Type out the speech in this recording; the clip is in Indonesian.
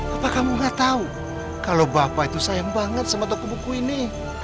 apa kamu gak tahu kalau bapak itu sayang banget sama toko buku ini